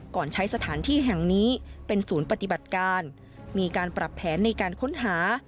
ก่อนใช้สถานที่แห่งนี้เป็นศูนย์ปฏิบัติการมีการปรับแผนในการค้นหา